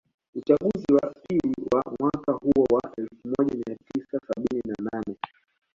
Uchaguzi wa pili wa mwaka huo wa elfu moja mia tisa sabini na nane